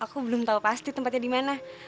aku belum tahu pasti tempatnya di mana